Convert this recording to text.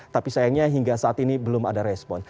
tapi sayangnya hingga saat ini belum ada respon